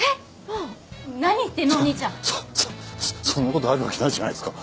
そそそそんな事あるわけないじゃないですか。